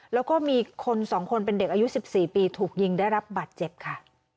แล้วก็มีคน๒คนเป็นเด็กอายุ๑๔ปีถูกยิงได้รับบัตรเจ็บค่ะ